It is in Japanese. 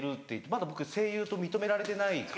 まだ僕声優と認められてない。